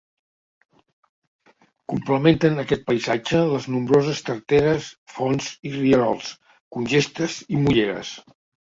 Complementen aquest paisatge les nombroses tarteres, fonts i rierols, congestes i molleres.